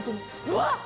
うわっ！